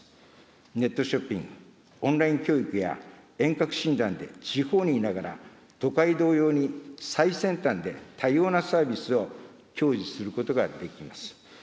ネットショッピング、オンライン教育や遠隔診断で地方にいながら都会同様に最先端で多様なサービスを享受することができます。